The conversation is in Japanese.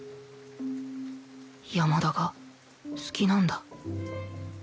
山田が好きなんだ